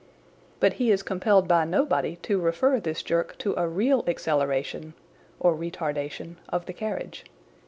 But he is compelled by nobody to refer this jerk to a " real " acceleration (retardation) of the carriage.